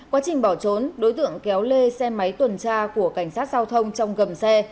quá trình bỏ trốn đối tượng kéo lê xe máy tuần tra của cảnh sát giao thông trong gầm xe